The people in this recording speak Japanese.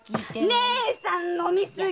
義姉さん飲み過ぎ！